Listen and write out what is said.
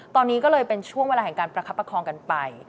ตอนนี้ก็เลยเป็นช่วงเวลาแห่งการประคับประคองกันไป